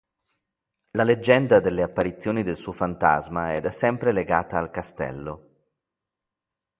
La leggenda delle apparizioni del suo fantasma è da sempre legata al castello.